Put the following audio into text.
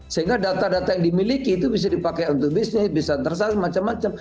sehingga data data yang dimiliki itu bisa dipakai untuk bisnis bisa tersense macam macam